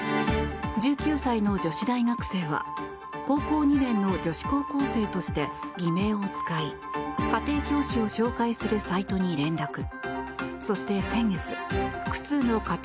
１９歳の女子大学生は高校２年の女子高校生として偽名を使い、家庭教師を紹介するサイトに連絡。